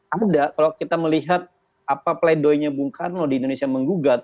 ada kalau kita melihat apa pleidoy nya bung karno di indonesia menggugat